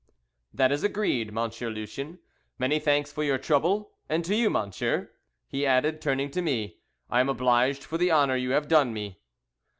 "That is agreed, Monsieur Lucien. Many thanks for your trouble; and to you, monsieur," he added, turning to me, "I am obliged for the honour you have done me."